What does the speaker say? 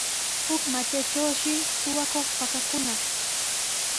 Huk matraytrawshi suqakuq pakakunaq.